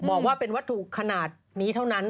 บอกว่าเป็นวัตถุขนาดนี้เท่านั้น